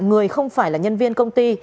người không phải là nhân viên công ty